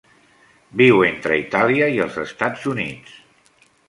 Viu entre Itàlia i els Estats Units.